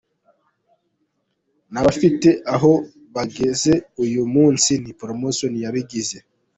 N’abafite aho bageze uyu munsi ni promotion yabagize.